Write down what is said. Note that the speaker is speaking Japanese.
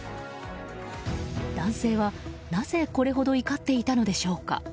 男性は、なぜこれほど怒っていたのでしょうか。